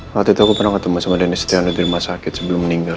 waktu itu aku pernah ketemu sama denny setiano di rumah sakit sebelum meninggal